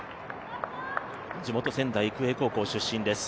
地元・仙台育英高校出身です